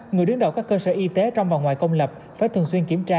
người đứng đầu các cơ sở y tế trong và ngoài công lập phải thường xuyên kiểm tra